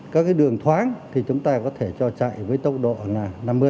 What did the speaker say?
các cái đường thoáng thì chúng ta có thể cho chạy với tốc độ là năm mươi